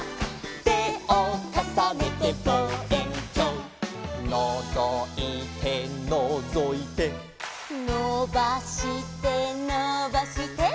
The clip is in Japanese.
「てをかさねてぼうえんきょう」「のぞいてのぞいて」「のばしてのばして」